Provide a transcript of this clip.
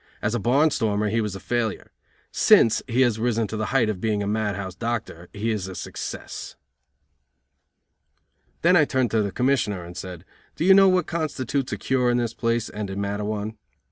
As a barn stormer he was a failure. Since he has risen to the height of being a mad house doctor he is a success." Then I turned to the Commissioner and said: "Do you know what constitutes a cure in this place and in Matteawan?"